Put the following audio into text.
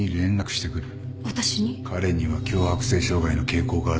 彼には強迫性障害の傾向があったろ。